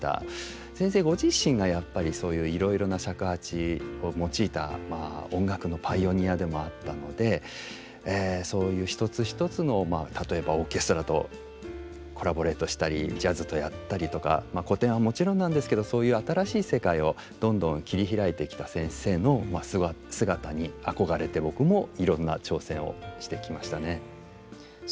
先生ご自身がやっぱりそういういろいろな尺八を用いた音楽のパイオニアでもあったのでそういう一つ一つの例えばオーケストラとコラボレートしたりジャズとやったりとか古典はもちろんなんですけどそういう新しい世界をどんどん切り開いてきた先生の姿に憧れて僕もいろんな挑戦をしてきましたね。